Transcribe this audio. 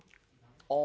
ああ。